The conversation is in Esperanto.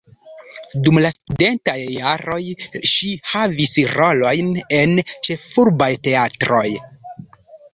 Dum la studentaj jaroj ŝi havis rolojn en ĉefurbaj teatroj.